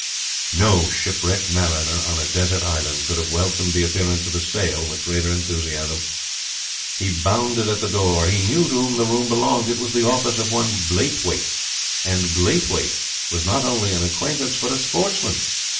No shipwrecked mariner on a desert island could have welcomed the appearance of a sail with greater enthusiasm. He bounded at the door. He knew to whom the room belonged. It was the office of one Blaythwayt; and Blaythwayt was not only an acquaintance, but a sportsman.